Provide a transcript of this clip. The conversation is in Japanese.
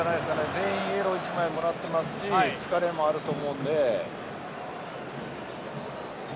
全員イエローを１枚もらっていますし疲れもあると思うので。